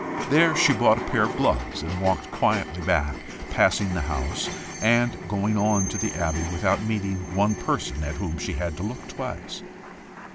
There she bought a pair of gloves, and walked quietly back, passing the house, and going on to the Abbey, without meeting one person at whom she had to look twice.